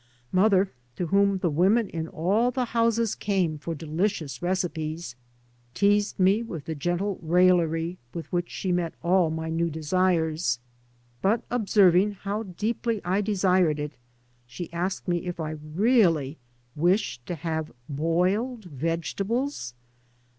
Mother, to whom the women in all the houses came for delicious recipes, teased me with the gende raillery with which she met all my new desires. But observing how deeply I desired it she asked , if I really wished to have boiled vegetables.